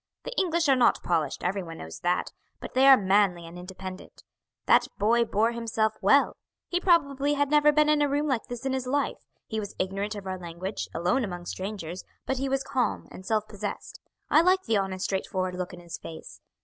The English are not polished, everyone knows that, but they are manly and independent. That boy bore himself well. He probably had never been in a room like this in his life, he was ignorant of our language, alone among strangers, but he was calm and self possessed. I like the honest straightforward look in his face.